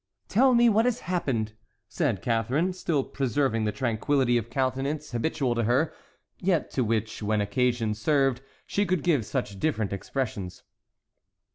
"Tell me what has happened," said Catharine, still preserving the tranquillity of countenance habitual to her, yet to which, when occasion served, she could give such different expressions.